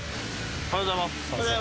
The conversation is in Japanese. おはようございます。